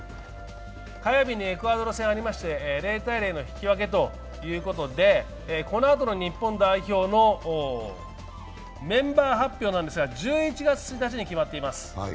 火曜日にエクアドル戦がありまして、０−０の引き分けということで、このあとの日本代表のメンバー発表なんですが、１１月１日に決まっています。